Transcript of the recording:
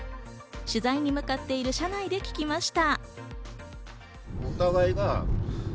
取材に向かっている車内で聞きました。